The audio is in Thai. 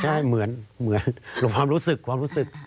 ใช่เหมือนหลบความรู้สึก